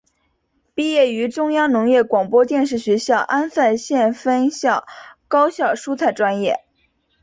毕业于中央农业广播电视学校安塞县分校高效蔬菜专业。